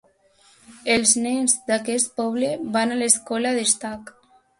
Els nens d'aquest poble van a l'escola d'Estac.